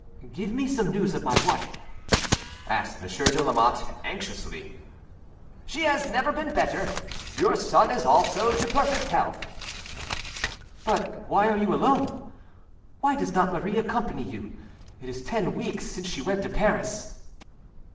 "Give me some news of my wife," asked Monsieur de Lamotte anxiously. "She has never been better. Your son is also to perfect health." "But why are you alone? Why does not Marie accompany you? It is ten weeks since she went to Paris."